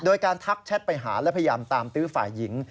โดยการทักแชทไปหาและพยายามตามตื้อฝ่ายหญิง